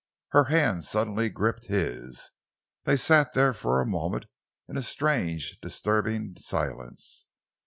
Her hand suddenly gripped his. They sat there for a moment in a strange, disturbing silence.